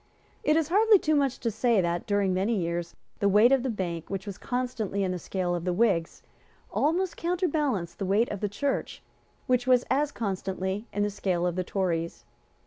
It is hardly too much to say that, during many years, the weight of the Bank, which was constantly in the scale of the Whigs, almost counterbalanced the weight of the Church, which was as constantly in the scale of the Tories.